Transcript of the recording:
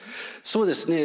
そうですね。